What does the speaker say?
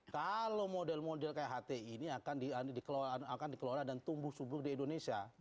kalau model model kayak hti ini akan dikelola dan tumbuh subur di indonesia